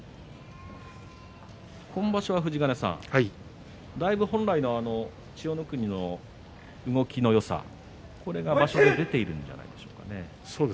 今場所はだいぶ本来の千代の国の動きのよさこれが場所に出ているんじゃないですかね。